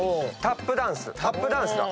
タップダンスだ。